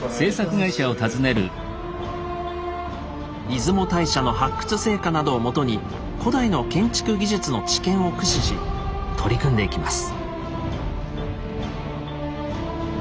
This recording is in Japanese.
出雲大社の発掘成果などをもとに古代の建築技術の知見を駆使し取り組んでいきます。